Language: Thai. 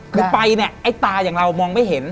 คือไปเนี่ยไอ้ตาอย่างเรามองไม่เห็น